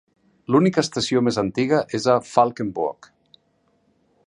L'única estació més antiga és a Valkenburg.